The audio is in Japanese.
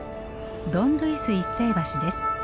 ドン・ルイス一世橋です。